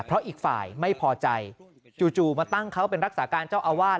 เพราะอีกฝ่ายไม่พอใจจู่มาตั้งเขาเป็นรักษาการเจ้าอาวาส